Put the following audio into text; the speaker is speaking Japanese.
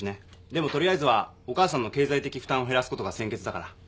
でも取りあえずはお母さんの経済的負担を減らすことが先決だから。